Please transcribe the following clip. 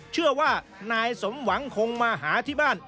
เชื่อว่านายสมหวังคงมาหาที่บ้าน